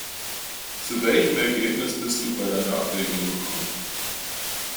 Zu welchem Ergebnis bist du bei deiner Abwägung gekommen?